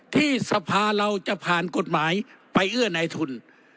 ที่สภาเราจะผ่านกฎหมายไปเอื้อในทุน